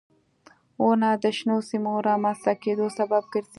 • ونه د شنو سیمو رامنځته کېدو سبب ګرځي.